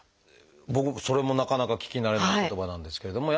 僕それもなかなか聞き慣れない言葉なんですけれども。